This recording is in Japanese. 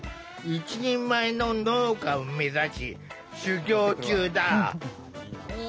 一人前の農家を目指し修業中だ。